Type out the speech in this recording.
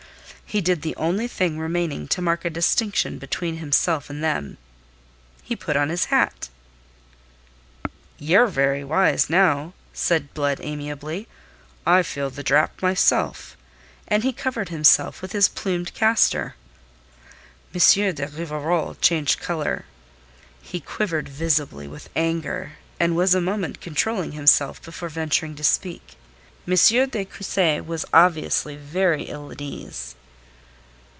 He did the only thing remaining to mark a distinction between himself and them. He put on his hat. "Ye're very wise now," said Blood amiably. "I feel the draught myself." And he covered himself with his plumed castor. M. de Rivarol changed colour. He quivered visibly with anger, and was a moment controlling himself before venturing to speak. M. de Cussy was obviously very ill at ease.